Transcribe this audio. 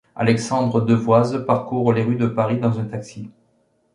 Alexandre Devoise parcourt les rues de Paris dans un taxi.